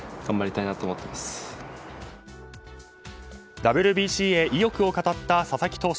ＷＢＣへ、意欲を語った佐々木投手。